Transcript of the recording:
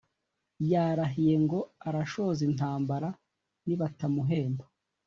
yarahiye ngo arashoza intambara nibatamuhemba